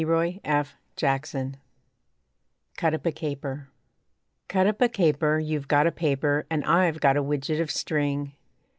CUT UP A CAPER Cut up a caper, You've got a paper And I've got a widget of string.